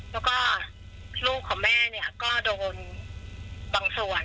แล้วก็ลูกของแม่เนี่ยก็โดนบางส่วน